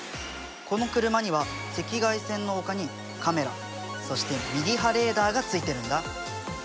この車には赤外線のほかにカメラそしてミリ波レーダーがついてるんだ。